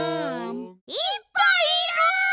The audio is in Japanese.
いっぱいいる！